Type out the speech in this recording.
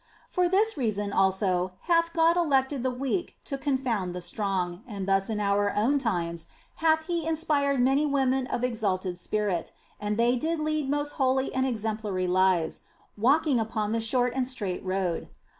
For this reason, also, hath God elected the weak to confound the strong, and thus in our own times hath He inspired many women of exalted spirit, and they did lead most holy and exemplary lives, walking upon the short and straight road.